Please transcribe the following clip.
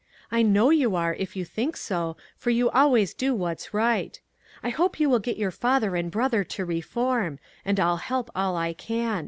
I know you are, if you think so, for you always do what's right. I hope you will get your father and brother to reform ; and I'll help all I can.